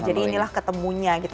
jadi inilah ketemunya gitu